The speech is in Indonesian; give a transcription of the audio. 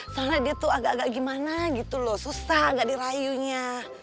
soalnya dia tuh agak agak gimana gitu loh susah gak dirayunya